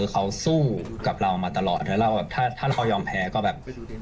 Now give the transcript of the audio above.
เขาสู้กับเรามาตลอดแล้วเราแบบถ้าเรายอมแพ้ก็แบบ